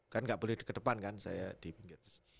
kan nggak boleh ke depan kan saya di pinggir